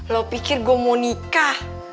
lo pikir gue mau nikah